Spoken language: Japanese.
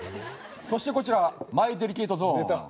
そしてこちらは『マイデリケートゾーン』。